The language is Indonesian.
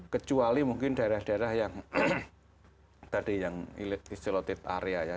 kecuali mungkin daerah daerah yang tadi yang isi loted area ya